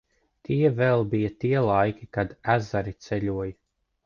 Tie vēl bija tie laiki, kad ezeri ceļoja.